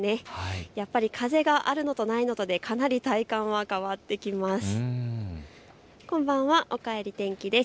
やっぱり風があるのとないのでかなり体感は変わってきます。